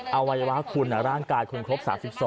เอาไว้ว่าคุณร่างกายคุณครบ๓๒